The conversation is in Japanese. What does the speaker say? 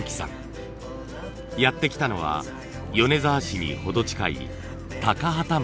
やって来たのは米沢市に程近い高畠町。